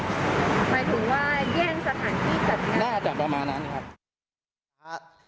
หมายถึงว่าแย่งสถานที่จัดงานน่าจะประมาณนั้นครับ